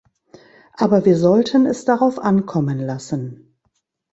Aber wir sollten es darauf ankommen lassen.